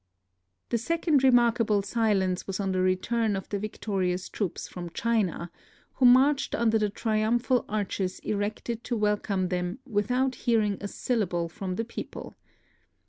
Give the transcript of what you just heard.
The second remarkable silence was on the return of the victorious troops from China, who marched under the triumphal arches erected to wel come them without hearing a syllable from the people.